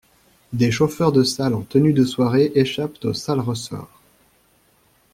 Des chauffeurs de salle en tenue de soirée échappent au sale ressort.